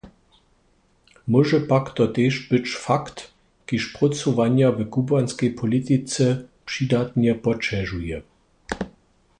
Móže pak to tež być fakt, kiž prócowanja w kubłanskej politice přidatnje poćežuje.